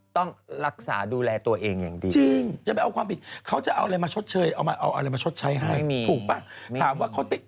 ต้องรักษาดูแลตัวเองอย่างดีจริงจะไปเอาความผิดเขาจะเอาอะไรมาชดเชยเอามาเอาอะไรมาชดใช้ให้ถูกป่ะ